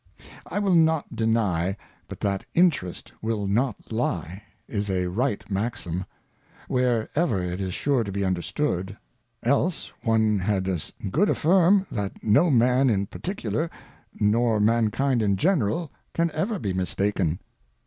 I will not deny but thai Interest will not lie,_\s a right Maxim, where ever it is sure to be understood ; else one had as good afifirm, That no Man in particular, nor Mankind in general, can ever be mistaken.